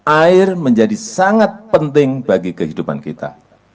air menjadi sangat penting bagi kehidupan kita